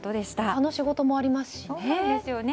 他の仕事もありますしね。